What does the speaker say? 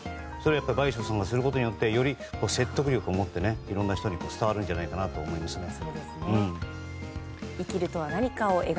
それを倍賞さんがすることによってより説得力をもっていろんな人に伝わるんじゃないかなと思います。